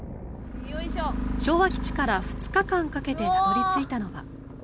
昭和基地から２日間かけてたどり着いたのは。